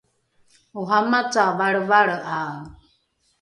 oramaca valrevalre’ae